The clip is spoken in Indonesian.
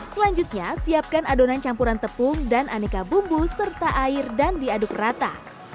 selanjutnya siapkan adonan campuran tepung dan aneka bumbu serta air dan diaduk rata